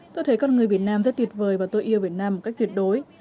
tôi thấy con người việt nam rất tuyệt vời và tôi yêu việt nam một cách tuyệt đối